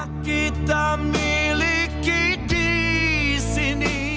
yang kita miliki di sini